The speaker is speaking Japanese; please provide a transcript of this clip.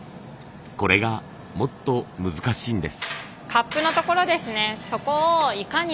これがもっと難しいんです。